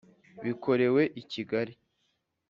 Bikorewe I Kigali